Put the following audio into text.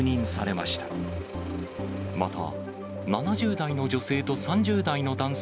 また、７０代の女性と３０代の男性